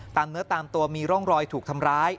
เนื้อตามตัวมีร่องรอยถูกทำร้าย